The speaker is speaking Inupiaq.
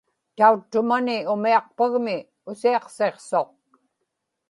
tauttumani umiaqpagmi usiaqsiqsuq